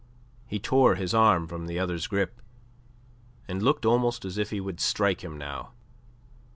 He tore his arm from the other's grip, and looked almost as if he would strike him now.